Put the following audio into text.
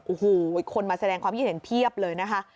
โอ้โหคนมาแสดงความคิดเห็นเพียบเลยนะคะ